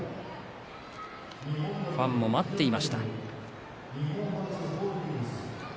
ファンも待っていました。